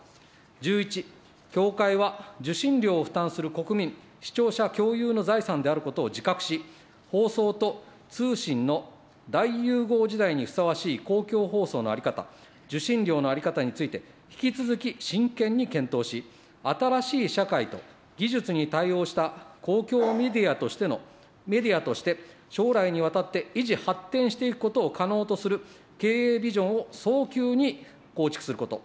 １１、協会は受信料を負担する国民、視聴者共有の財産であることを自覚し、放送と通信の大融合時代にふさわしい公共放送の在り方、受信料の在り方について、引き続き真剣に検討し、新しい社会と技術に対応した公共メディアとしての、メディアとして、将来にわたって維持発展していくことを可能とする経営ビジョンを早急に構築すること。